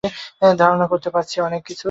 ধারণা করতে পারছি।